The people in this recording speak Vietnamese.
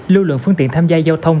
lưu lượng phương tiện tham gia giao thông